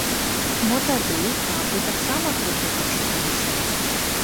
Мо тады там бы таксама трохі пачухаліся.